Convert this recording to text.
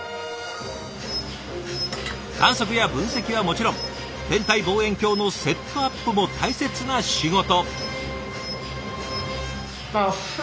観測や分析はもちろん天体望遠鏡のセットアップも大切な仕事。